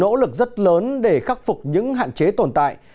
nó có sự nỗ lực rất lớn để khắc phục những hạn chế tồn tại